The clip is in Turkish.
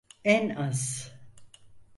En az.